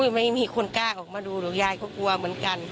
ไม่มีคนกล้าออกมาดูหรอกยายก็กลัวเหมือนกัน